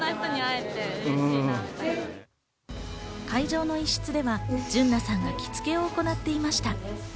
会場の一室では純奈さんが着付けを行っていました。